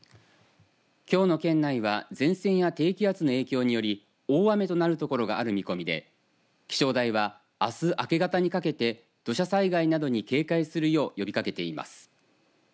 きょうの県内は前線や低気圧の影響により大雨となるところがある見込みで気象台はあす明け方にかけて土砂災害などに警戒するよう呼びかけています。